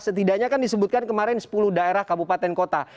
setidaknya kan disebutkan kemarin sepuluh daerah kabupaten kota